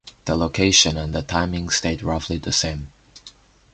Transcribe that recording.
The location and the timing stayed roughly the same.